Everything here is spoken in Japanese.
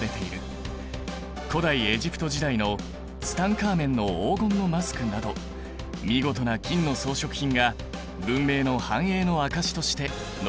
古代エジプト時代のツタンカーメンの黄金のマスクなど見事な金の装飾品が文明の繁栄の証しとして残されてきた。